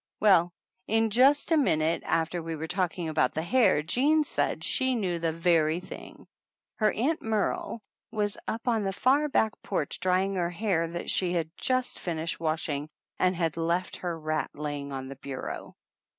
Well, in just a minute after we were talking about the hair Jean said she knew the very thing ! Her Aunt Merle was up on the far back porch drying her hair that she had just fin ished washing, and had left her rat lying on her bureau.